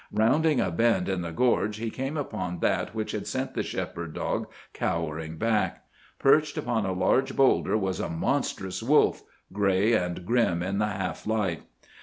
Rounding a bend in the gorge, he came upon that which had sent the shepherd dog cowering back. Perched upon a large boulder was a monstrous wolf, gray and grim in the half light.